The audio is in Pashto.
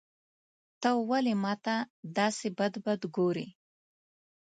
ته ولي ماته داسي بد بد ګورې.